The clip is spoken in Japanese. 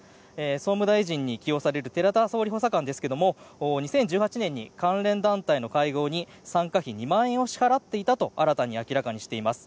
総務大臣に起用される寺田総理補佐官ですが２０１８年に関連団体の会合に参加費２万円を支払っていたと新たに明らかにしています。